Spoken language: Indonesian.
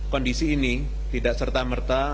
kondisi ini tidak serta merta